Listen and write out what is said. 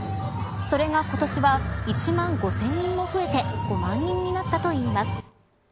それが今年は１万５０００人も増えて５万人になったといいます。